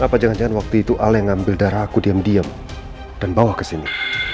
kenapa jangan jangan waktu itu al yang ngambil darah aku diam diam dan bawa ke sini